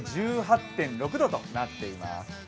１８．６度となっています。